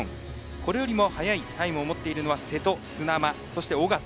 これよりも早いタイムを持っているのは瀬戸、砂間、小方。